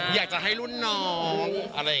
อยากจะให้รุ่นน้อง